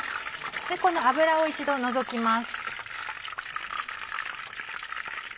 この油を一度除きます。